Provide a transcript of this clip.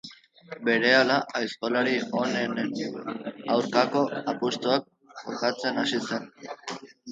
Berehala aizkolari onenen aurkako apustuak jokatzen hasi zen.